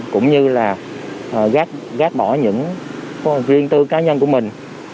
cũng như là gác bỏ những riêng tư cá nhân của mình